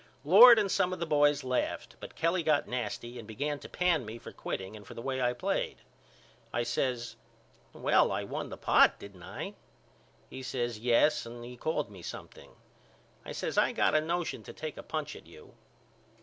Lord and some of the boys laughed but Kelly got nasty and begun to pan me for quitting and for the way I played. I says Well I won the pot didn't I? He says Yes and he called me something. I says I got a notion to take a punch at you.